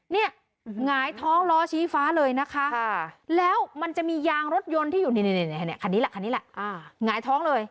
หงายท้องล้อชี้ฟ้าเลยนะคะแล้วมันจะมียางรถยนต์ที่อยู่นี่คันนี้แหละคันนี้แหละหงายท้องเลย